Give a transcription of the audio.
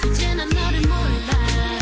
ijenan nari moeba